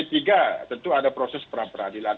tiga tentu ada proses pra peradilan